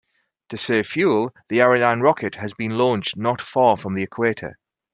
To save fuel, the Ariane rocket has been launched not far from the equator.